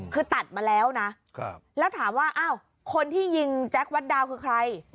คือตัดมาแล้วนะแล้วถามว่าอ้าวคนที่ยิงแจ็ควัดดาวคือใคร